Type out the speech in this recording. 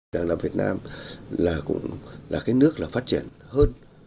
đảng đảng việt nam là nước phát triển hơn